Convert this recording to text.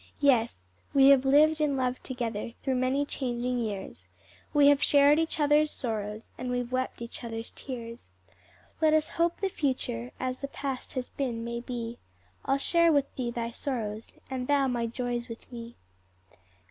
"Yes; "We have lived and loved together, Through many changing years, We have shared each other's sorrows, And we've wept each other's tears. "Let us hope the future As the past has been, may be, I'll share with thee thy sorrows, And thou my joys with me."